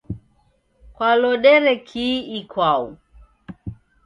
Kwalodere kii ikwau?